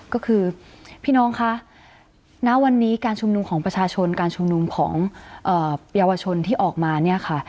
ก็คือพี่น้องคะณวันนี้การชุมนุมของประชาชนการชุมนุมของเยาวชนที่ออกมาเนี่ยค่ะ